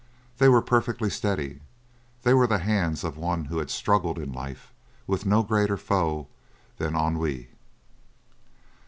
They were perfectly steady; they were the hands of one who had struggled, in life, with no greater foe than ennui.